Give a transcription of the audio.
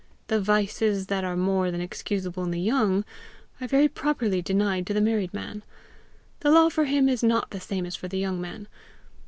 The vices that are more than excusable in the young, are very properly denied to the married man; the law for him is not the same as for the young man.